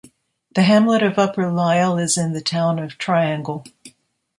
The hamlet of Upper Lisle is in the town of Triangle.